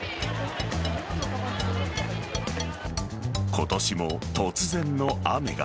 今年も突然の雨が。